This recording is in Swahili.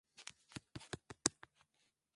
mwaka elfu moja mia tisa tisini na tatu